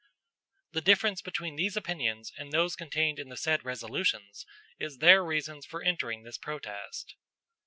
"The difference between these opinions and those contained in the said resolutions is their reasons for entering this protest."